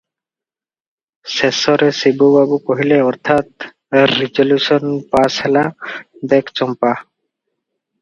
ଶେଷରେ ଶିବୁ ବାବୁ କହିଲେ, ଅର୍ଥାତ୍ ରିଜଲ୍ୟୁଶନ୍ ପାସ ହେଲା - "ଦେଖ ଚମ୍ପା!